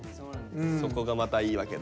そこがまたいいわけだ。